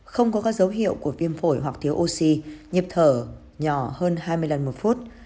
không có các dấu hiệu của viêm phổi hoặc thiếu oxy nhịp thở nhỏ hơn hai mươi lần một phút